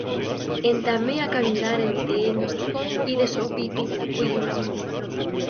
Entamé a caminar ente ellos y de sópitu oyí una voz.